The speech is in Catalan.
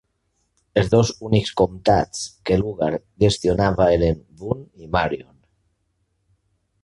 Els dos únics comtats que Lugar gestionava eren Boone i Marion.